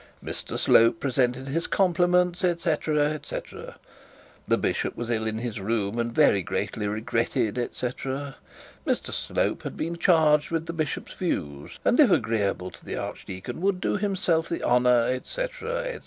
Mr Slope presented his compliments &c, &c. The bishop was ill in his room, and very greatly regretted, &c &c. Mr Slope had been charged with the bishop's views, and if agreeable to the archdeacon, would do himself the honour &c, &c.